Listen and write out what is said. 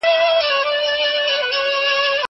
هغه وويل چي مڼې صحي دي!!